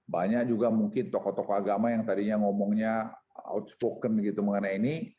banyak juga mungkin tokoh tokoh agama yang tadinya ngomongnya outspoken gitu mengenai ini